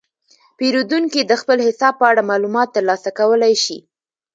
پیرودونکي د خپل حساب په اړه معلومات ترلاسه کولی شي.